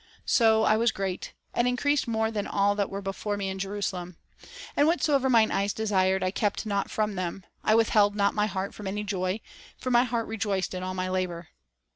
So I was great, and increased more than all that were before me in Jerusalem. ... And whatsoever mine eyes desired I kept not from them, I withheld not my heart from any joy; for my heart rejoiced in all my labor.